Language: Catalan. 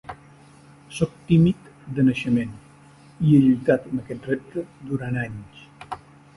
Sóc tímid de naixement, i he lluitat amb aquest repte durant anys.